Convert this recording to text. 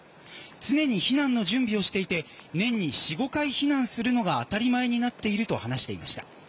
常に避難の準備をしていて年に４５回避難するのが当たり前になっていると話していました。